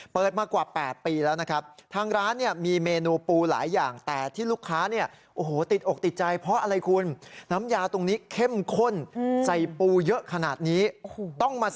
เปิดมากว่าแปดปีแล้วทางร้านมีเมนูปูหลายอย่าง